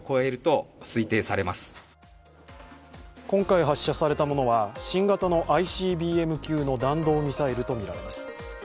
今回発射されたものは新型のＩＣＢＭ級の弾道ミサイルとみられます。